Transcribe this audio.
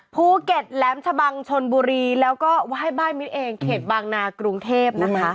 ภูเก็ตแหลมชะบังชนบุรีแล้วก็ไหว้บ้านมิตรเองเขตบางนากรุงเทพนะคะ